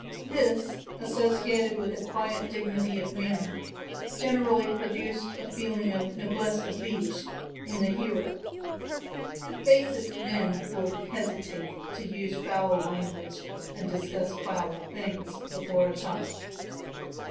This, associated with a quiet dignity of manner, generally produced a feeling of "noblesse oblige" in the hearer. The basest men will hesitate to use foul language and discuss foul things before a child.